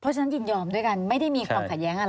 เพราะฉะนั้นยินยอมด้วยกันไม่ได้มีความขัดแย้งอะไร